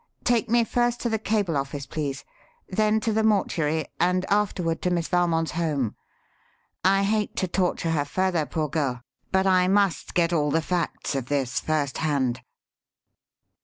Take me first to the cable office, please; then to the mortuary, and afterward to Miss Valmond's home. I hate to torture her further, poor girl, but I must get all the facts of this, first hand."